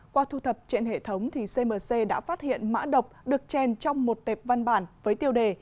qua thu thập trên hệ thống thì cmc đã phát hiện mã độc được chèn trong một tệp văn bản với tiêu đề